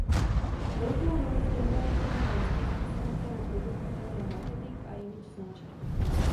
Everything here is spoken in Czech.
Velkou roli zde hraje kromě vlastností samotného produktu také marketing a image značky.